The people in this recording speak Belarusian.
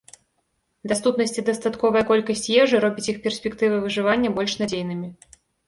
Даступнасць і дастатковая колькасць ежы робіць іх перспектывы выжывання больш надзейнымі.